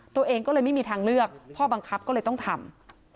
ตัวเองก็เลยไม่มีทางเลือกพ่อบังคับก็เลยต้องทำ